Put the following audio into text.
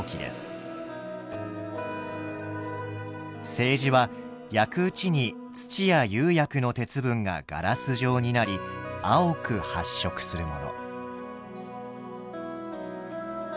青磁は焼くうちに土や釉薬の鉄分がガラス状になり青く発色するもの。